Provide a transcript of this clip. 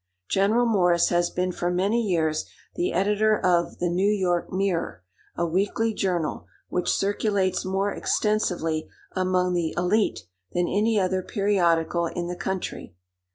General Morris has been for many years the editor of the "New York Mirror," a weekly journal, which circulates more extensively among the élite than any other periodical in the country.